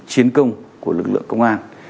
chiến công của lực lượng công an